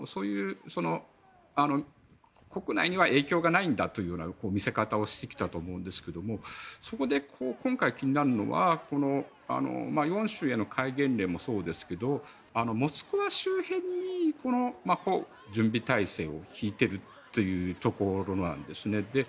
国内には影響がないという見せ方をしてきたと思うんですがそこで、今回気になるのは４州への戒厳令もそうですけどモスクワ周辺に準備体制を敷いているということなんですね。